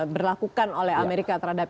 berlakukan oleh amerika terhadap